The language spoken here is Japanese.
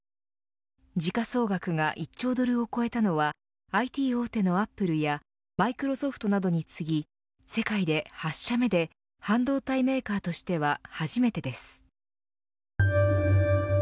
時価総額が１兆ドルを超えたのはＩＴ大手のアップルやマイクロソフトなどに次ぎ世界で８社目で半導体メーカーとしては初めてです。